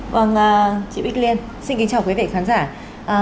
vâng chị bích liên xin kính chào quý vị khán giả